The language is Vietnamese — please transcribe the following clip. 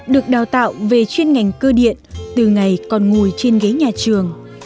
được đào tạo về chuyên ngành cơ điện từ ngày còn ngồi trên ghế nhà trường